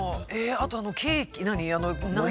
あとあのケーキ何？